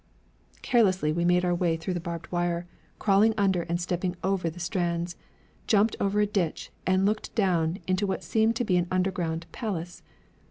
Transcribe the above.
Carelessly we made our way through the barbed wire, crawling under and stepping over the strands, jumped over a ditch, and looked down into what seemed to be an underground palace.